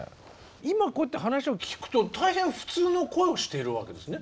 今こうやって話を聞くと大変普通の声をしているわけですね。